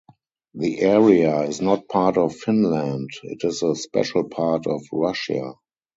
The area is not part of Finland; it is a special part of Russia.